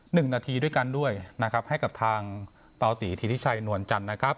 หนึ่งนาทีด้วยกันด้วยนะครับให้กับทางเตาตีธิชัยนวลจันทร์นะครับ